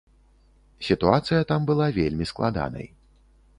Сітуацыя там была вельмі складанай.